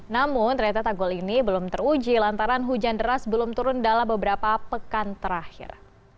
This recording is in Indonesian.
namun ternyata tanggul ini belum teruji lantaran hujan deras belum turun dalam beberapa pekan terakhir